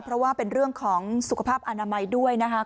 เพราะว่าเป็นเรื่องของสุขภาพอนามัยด้วยนะคะ